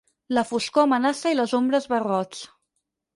La foscor amenaça i les ombres barrots.